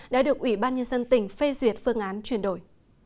đã được ủy ban nhân dân tỉnh phê duyệt phương án chuyển đổi